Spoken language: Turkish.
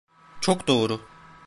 Çok doğru.